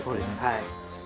はい